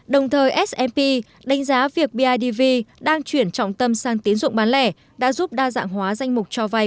đồng thời smp đánh giá việc bidv đang chuyển trọng tâm sang tiến dụng bán lẻ đã giúp đa dạng hóa danh mục cho vay